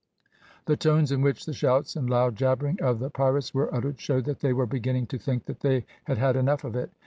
The tones in which the shouts and loud jabbering of the pirates were uttered showed that they were beginning to think that they had had enough of it.